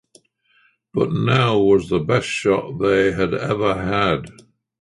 But now was the best shot they had ever had.